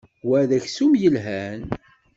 Wa d aksum yelhan.